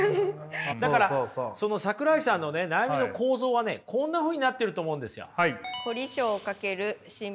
だからその桜井さんの悩みの構造はねこんなふうになってると思うんですよ。